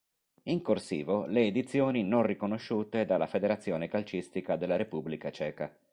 In "corsivo" le edizioni non riconosciute dalla federazione calcistica della Repubblica Ceca.